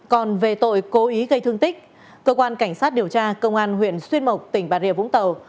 còn về tội cố ý gây thương tích cơ quan cảnh sát điều tra công an huyện xuyên mộc tỉnh bà rịa vũng tàu